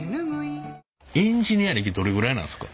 エンジニア歴どれぐらいなんですか？